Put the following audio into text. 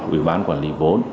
ủy ban quản lý vốn